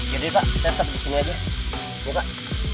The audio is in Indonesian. yaudah pak saya stop di sini aja ya pak